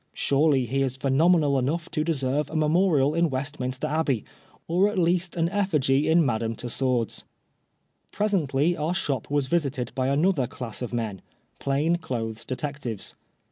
Surely he is phenomenal enough to deserve a memorial in Westminster Abbey, or at least an ef&gy at Madame Tussaud's. Presently our shop was visited by another class of men — plain clothes detectives.